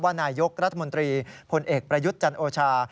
นายกรัฐมนตรีพลเอกประยุทธ์จันโอชา